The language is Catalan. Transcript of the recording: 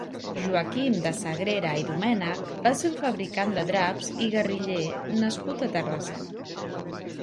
Joaquim de Sagrera i Domènech va ser un fabricant de draps i guerriller nascut a Terrassa.